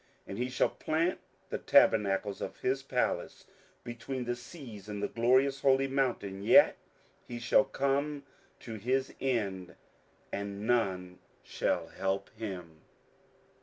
27:011:045 And he shall plant the tabernacles of his palace between the seas in the glorious holy mountain; yet he shall come to his end, and none shall help him.